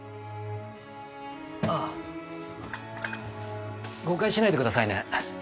あぁ誤解しないでくださいね。